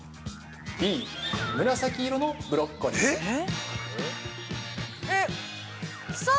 Ｂ、紫色のブロッコリー。